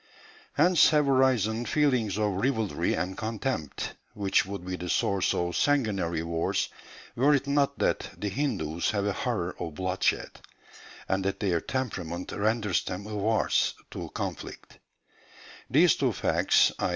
Hence have arisen feelings of rivalry and contempt, which would be the source of sanguinary wars, were it not that the Hindus have a horror of bloodshed, and that their temperament renders them averse to conflict. These two facts, i.